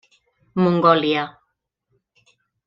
Mongòlia.